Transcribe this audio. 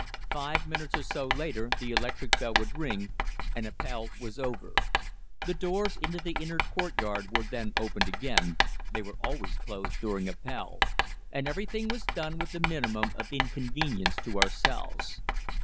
Five minutes or so later the electric bell would ring, and Appell was over. The doors into the inner courtyard were then opened again they were always closed during Appell and everything was done with the minimum of inconvenience to ourselves.